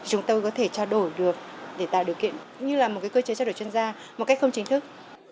chúng tôi có thể trao đổi được để tạo điều kiện cũng như là một cơ chế trao đổi chuyên gia một cách không chính thức